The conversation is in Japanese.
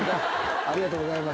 ありがとうございます。